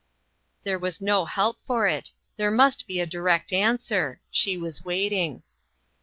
There was no help for it; there must be a direct answer ; she was waiting.